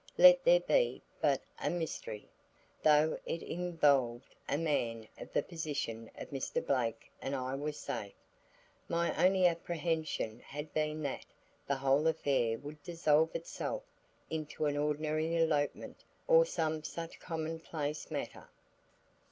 Let there be but a mystery, though it involved a man of the position of Mr. Blake and I was safe. My only apprehension had been that the whole affair would dissolve itself into an ordinary elopement or some such common place matter.